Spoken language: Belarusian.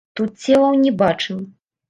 Тут целаў не бачым.